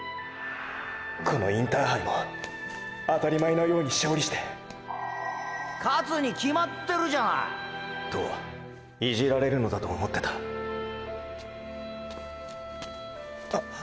このインターハイもあたり前のように勝利してーー勝つに決まってるじゃナァイ。とイジられるのだと思ってたあ。